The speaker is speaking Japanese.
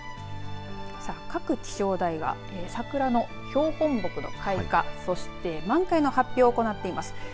各気象台が桜の標本木の開花そして、満開の発表を行っています。